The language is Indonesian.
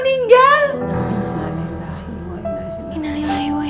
waalaikumsalam ada apa